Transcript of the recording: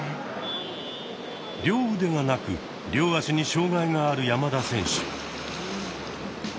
両腕がなく両足に障害がある山田選手。